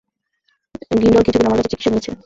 Grindle কিছুদিন আমার কাছে চিকিৎসা নিয়েছে।